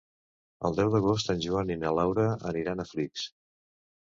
El deu d'agost en Joan i na Laura aniran a Flix.